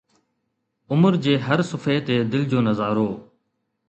عمر جي هر صفحي تي دل جو نظارو